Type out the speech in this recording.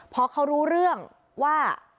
พอเขารู้เรื่องว่า